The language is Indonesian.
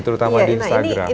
terutama di instagram